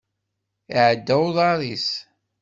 Iɛedda uḍar-is.